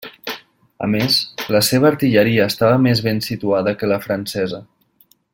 A més, la seva artilleria estava més ben situada que la francesa.